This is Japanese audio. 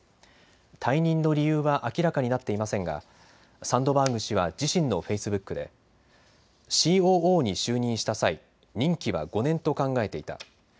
退任の理由は明らかになっていませんがサンドバーグ氏は自身のフェイスブックでＣＯＯに就任した際、任期は５年と考えていた。